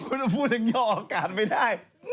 คุณผู้หนังย่ออากาศไม่ได้